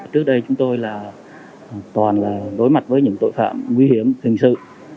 trước đây chúng tôi là toàn là đối mặt với những tội phạm nguy hiểm hình sự